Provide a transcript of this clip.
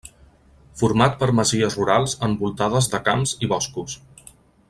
Format per masies rurals envoltades de camps i boscos.